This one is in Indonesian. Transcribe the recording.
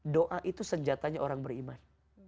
doa itu senjatanya orang beriman